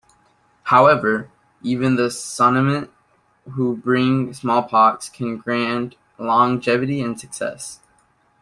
However, even the Sonnimne, who bring smallpox, can grant longevity and success.